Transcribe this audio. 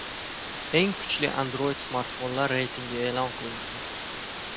Eng kuchli Android smartfonlar reytingi e’lon qilindi